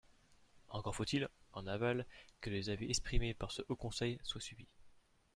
Encore faut-il, en aval, que les avis exprimés par ce Haut conseil soient suivis.